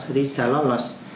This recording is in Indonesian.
jadi sudah lolos